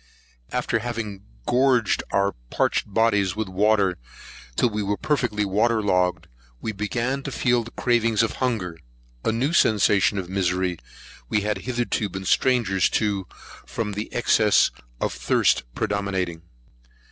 After having gorged our parched bodies with water, till we were perfectly water logged, we began to feel the cravings of hunger; a new sensation of misery we had hitherto been strangers to, from the excess of thirst predominating.